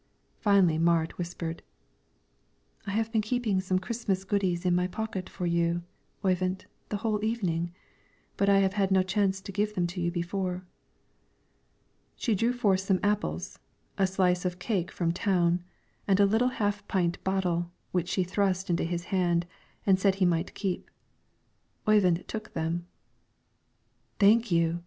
Finally Marit whispered: "I have been keeping some Christmas goodies in my pocket for you, Oyvind, the whole evening, but I have had no chance to give them to you before." She drew forth some apples, a slice of a cake from town, and a little half pint bottle, which she thrust into his hand, and said he might keep. Oyvind took them. "Thank you!"